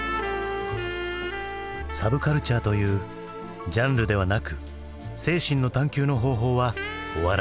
サブカルチャーというジャンルではなく精神の探究の方法は終わらない。